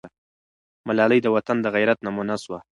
ملالۍ د وطن د غیرت نمونه سوه.